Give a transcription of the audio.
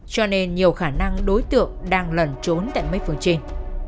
cho nên nhiều khả năng đối tượng đang lẩn trốn tại mấy phường trên